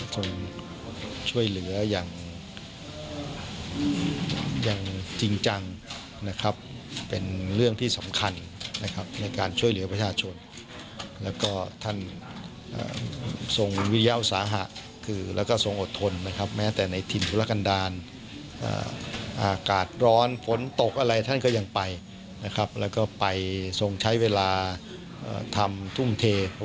ทรงช่วยเหลืออย่างจริงจังนะครับเป็นเรื่องที่สำคัญนะครับในการช่วยเหลือประชาชนแล้วก็ท่านทรงวิยาวสาหะคือแล้วก็ทรงอดทนนะครับแม้แต่ในถิ่นธุรกันดาลอากาศร้อนฝนตกอะไรท่านก็ยังไปนะครับแล้วก็ไปทรงใช้เวลาทำทุ่มเท